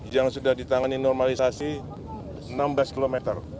yang sudah ditangani normalisasi enam belas km